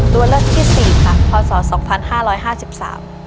ตัวเลือกที่สี่พศ๒๕๕๓